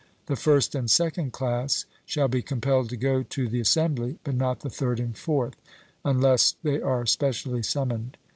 The first and second class shall be compelled to go to the assembly, but not the third and fourth, unless they are specially summoned.